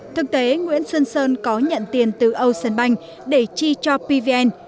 thực tế nguyễn xuân sơn có nhận tiền từ âu sơn banh để chi cho pvn